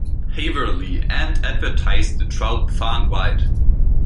Haverly and advertised the troupe far and wide.